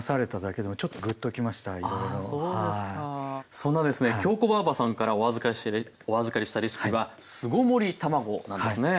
そんなですねきょうこばぁばさんからお預かりしたレシピは巣ごもり卵なんですね。